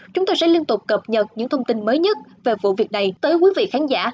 chúng tôi sẽ liên tục cập nhật những thông tin mới nhất về vụ việc này tới quý vị khán giả